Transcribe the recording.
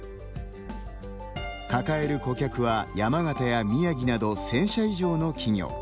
抱える顧客は、山形や宮城など１０００社以上の企業。